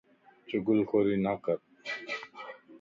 چُگل ڪوري نه ڪرڻ کپ